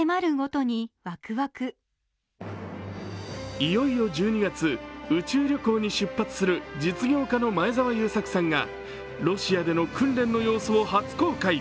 いよいよ１２月、宇宙旅行に出発する実業家の前澤友作さんがロシアでの訓練の様子を初公開。